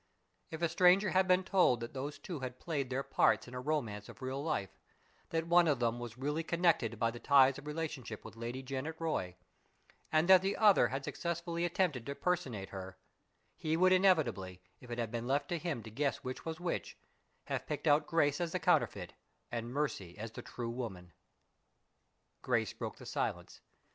If a stranger had been told that those two had played their parts in a romance of real life that one of them was really connected by the ties of relationship with Lady Janet Roy, and that the other had successfully attempted to personate her he would inevitably, if it had been left to him to guess which was which, have picked out Grace as the counterfeit and Mercy as the true woman. Grace broke the silence.